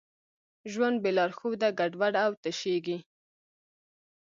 ژوند بېلارښوده ګډوډ او تشېږي.